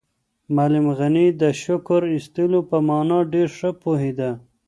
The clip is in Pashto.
معلم غني د شکر ایستلو په مانا ډېر ښه پوهېده.